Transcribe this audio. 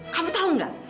kamu tau gak